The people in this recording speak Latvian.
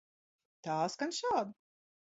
Tā skan šādi.